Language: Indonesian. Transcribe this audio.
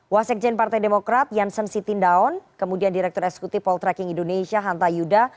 wasekjen partai demokrat janssen sitindaon kemudian direktur eksekutif poltreking indonesia hanta yuda